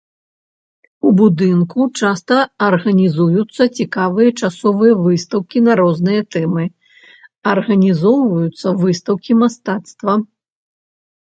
У будынку часта арганізуюцца цікавыя часовыя выстаўкі на розныя тэмы, арганізоўваюцца выстаўкі мастацтва.